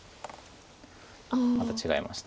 また違いました。